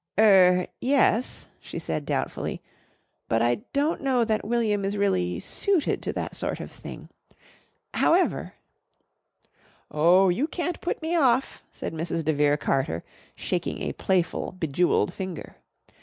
"Er yes," she said doubtfully. "But I don't know that William is really suited to that sort of thing. However " "Oh, you can't put me off!" said Mrs. de Vere Carter shaking a playful bejewelled finger.